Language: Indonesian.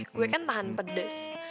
gue kan tahan pedes